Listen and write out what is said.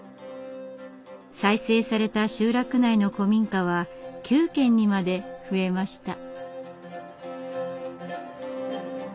再生された集落内の古民家は９軒にまで増えました。